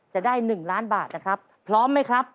จะได้๑ล้านบาทนะครับพร้อมไหมครับ